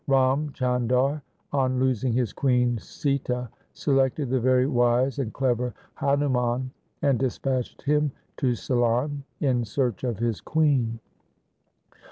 Ram Chandar, on losing his queen Sita, selected the very wise and clever Hanuman, and dispatched him to Ceylon in search of his queen.